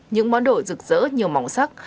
những món đồ rực rỡ nhiều màu sắc